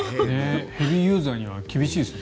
ヘビーユーザーには厳しいですね。